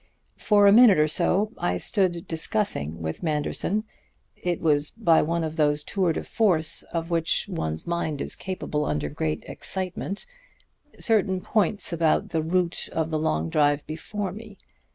"For a minute or so I stood discussing with Manderson it was by one of those tours de force of which one's mind is capable under great excitement certain points about the route of the long drive before me.